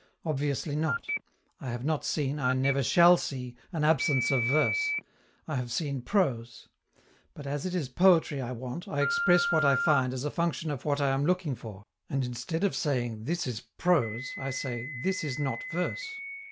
Obviously not. I have not seen, I never shall see, an absence of verse. I have seen prose. But as it is poetry I want, I express what I find as a function of what I am looking for, and instead of saying, "This is prose," I say, "This is not verse."